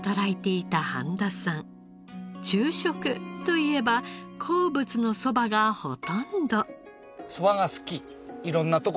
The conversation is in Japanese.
昼食といえば好物のそばがほとんど。